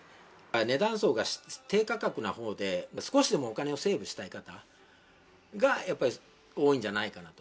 値段層が低価格なほうで、少しでもお金をセーブしたい方が、やっぱり多いんじゃないかなと。